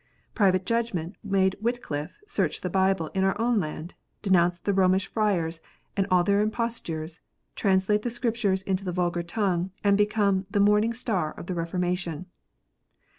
Private judgment made "Wickliffe search the Bible in our own land, denounce the Romish friars, and all their impostures, translate the Scriptures into the vulgar tongue, and become " the morning star " of the Reformation.